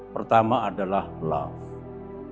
pertama adalah love